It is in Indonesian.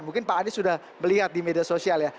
mungkin pak anies sudah melihat di media sosial ya